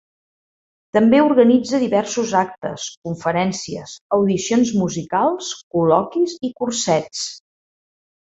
També organitza diversos actes, conferències, audicions musicals, col·loquis i cursets.